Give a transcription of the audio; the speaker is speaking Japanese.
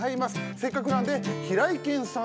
せっかくなので平井堅さん